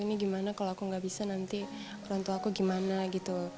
ini gimana kalau aku nggak bisa nanti orang tua aku gimana gitu